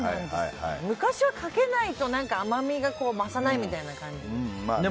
昔はかけないと甘みが増さないみたいな感じで。